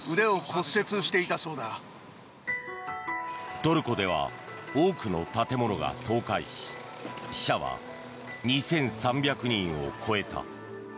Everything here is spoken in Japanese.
トルコでは多くの建物が倒壊し死者は２３００人を超えた。